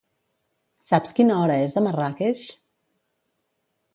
Saps quina hora és a Marràqueix?